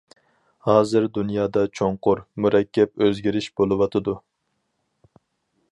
ھازىر دۇنيادا چوڭقۇر، مۇرەككەپ ئۆزگىرىش بولۇۋاتىدۇ.